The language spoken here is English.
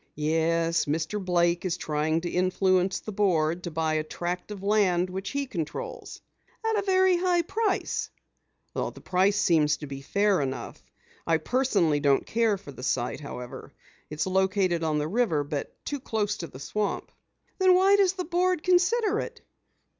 "Yes, Mr. Blake is trying to influence the board to buy a track of land which he controls." "At a very high price?" "The price seems to be fair enough. I personally don't care for the site, however. It's located on the river, but too close to the swamp." "Then why does the board consider it?"